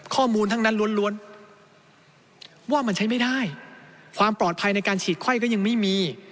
ข้อมูลทั้งนั้นล้วนว่ามันใช้ไม่ได้ความปลอดภัยในการฉีดไข้ก็ยังไม่มี